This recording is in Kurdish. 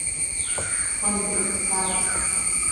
Hûn bilind nabin.